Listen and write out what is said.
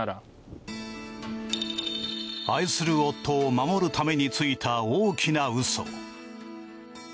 愛する夫を守るためについた大きな嘘。